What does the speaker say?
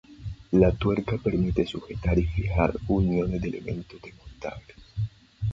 La tuerca permite sujetar y fijar uniones de elementos desmontables.